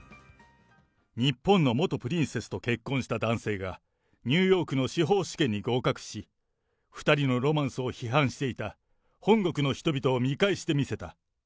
日本の元プリンセスと結婚した男性が、ニューヨークの司法試験に合格し、２人のロマンスを批判していた本国の人々を見返して見せた。